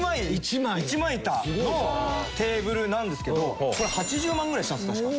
一枚板のテーブルなんですけどこれ８０万ぐらいしたんです確か。